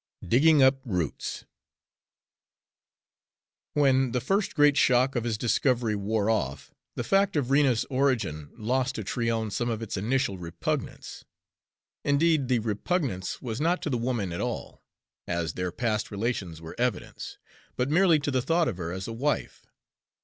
XX DIGGING UP ROOTS When the first great shock of his discovery wore off, the fact of Rena's origin lost to Tryon some of its initial repugnance indeed, the repugnance was not to the woman at all, as their past relations were evidence, but merely to the thought of her as a wife.